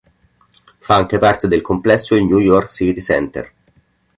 Fa anche parte del complesso il New York City Center.